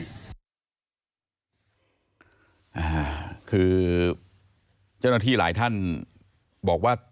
อ่าคือเจ้าหน้าที่หลายท่านบอกว่า